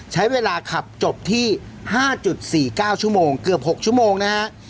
ใช้เวลาขับจบที่๕๔๙ชั่วโมงเกือบ๖ชั่วโมงนะฮะ